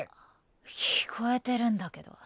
聞こえてるんだけど。